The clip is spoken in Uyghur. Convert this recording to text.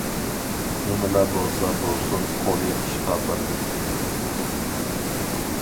نېمىلا بولسا بولسۇن، قولى ئىشقا باردى.